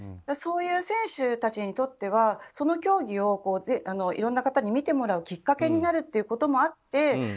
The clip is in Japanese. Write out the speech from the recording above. そういう選手たちにとってはその競技をいろんな方に見てもらうきっかけになるということもあって。